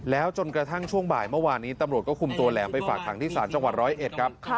แล้วจนกระทั่งช่วงบ่ายเมื่อวานนี้ตำรวจก็คุมตัวแหลมไปฝากขังที่ศาลจังหวัดร้อยเอ็ดครับ